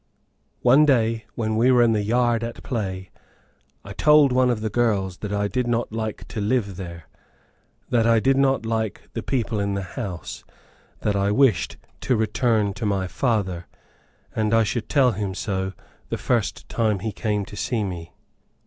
One day, when we were in the yard at play, I told one of the little girls that I did not like to live there; that I did not like one of the people in the house; that I wished to return to my father, and I should tell him so the first time he came to see me.